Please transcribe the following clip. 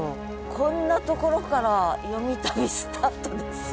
こんなところから「よみ旅」スタートですよ。